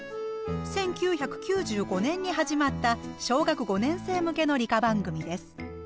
１９９５年に始まった小学５年生向けの理科番組です。